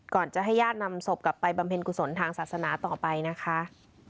ก่อนจะให้ญาตินำศพกลับไปบำเพ็ญกุศลทางศาสนาต่อไปนะคะ